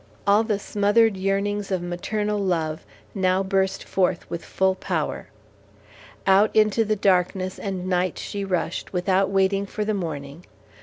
All the smothered yearnings of maternal love now burst forth with full power. Out into the darkness and night she rushed, without waiting for the morning.